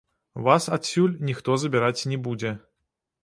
Вас адсюль ніхто забіраць не будзе.